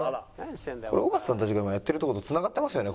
これ尾形さんたちが今やってるとことつながってますよね？